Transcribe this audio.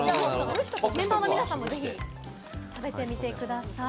メンバーの皆さんも、ぜひ食べてみてください。